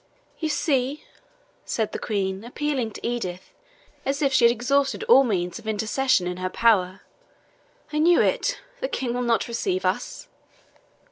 "You see," said the Queen, appealing to Edith, as if she had exhausted all means of intercession in her power; "I knew it the King will not receive us."